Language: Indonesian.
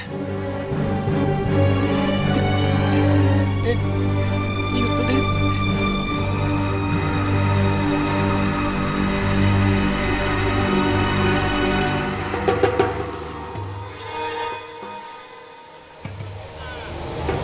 lihat itu raden